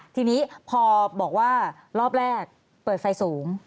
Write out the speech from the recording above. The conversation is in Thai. ทีนี้พอบอกว่ารอบแรกเปิดไฟสูง